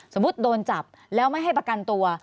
โดนจับแล้วไม่ให้ประกันตัว